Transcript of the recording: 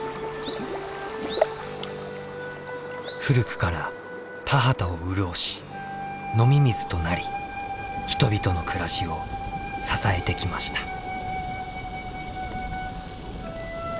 古くから田畑を潤し飲み水となり人々の暮らしを支えてきました。